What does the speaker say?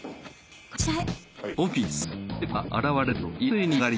こちらへ。